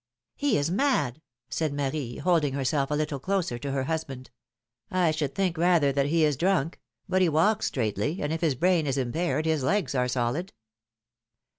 He is mad ! said Marie, holding herself a little closer to her husband. should think rather that he is drunk; but he walks straightly, and if his brain is impaired, his legs are solid.